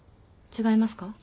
違いますか？